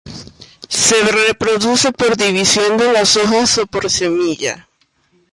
Se reproduce por división de las hojas o por semilla.